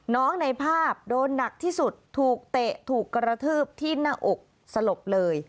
ในภาพโดนหนักที่สุดถูกเตะถูกกระทืบที่หน้าอกสลบเลย